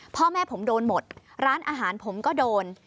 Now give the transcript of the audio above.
พ่อแม่ผมโดนหมดร้านอาหารผมก็โดน